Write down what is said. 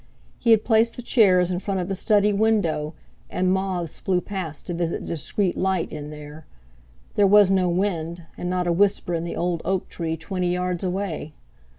He had placed the chairs in front of the study window, and moths flew past to visit the discreet light in there. There was no wind, and not a whisper in the old oak tree twenty yards away!